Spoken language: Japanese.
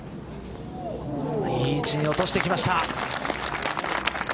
いい位置に落としてきました。